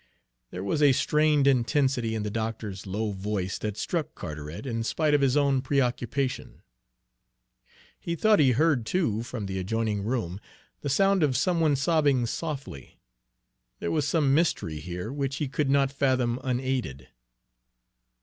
There was a strained intensity in the doctor's low voice that struck Carteret, in spite of his own pre occupation. He thought he heard, too, from the adjoining room, the sound of some one sobbing softly. There was some mystery here which he could not fathom unaided.